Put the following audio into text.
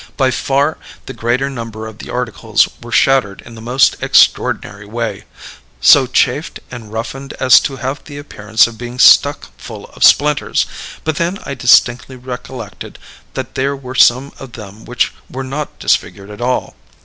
"By far the greater number of the articles were shattered in the most extraordinary way so chafed and roughened as to have the appearance of being stuck full of splinters; but then I distinctly recollected that there were some of them which were not disfigured at all.